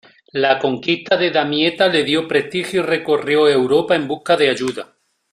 La conquista de Damieta le dio prestigio y recorrió Europa en busca de ayuda.